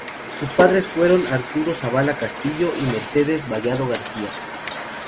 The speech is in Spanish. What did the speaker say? Sus padres fueron Arturo Zavala Castillo y Mercedes Vallado García.